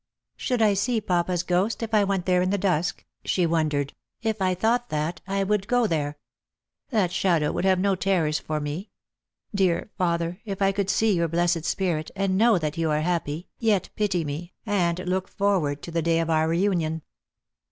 " Should I see papa's ghost, if I went there in the dusk P " she wondered; "if I thought that, I would go there. That shadow would have no terrors for me. Dear father, if I could see your blessed spirit, and know that you are happy, yet pity me, and look forward for the day of our reunion."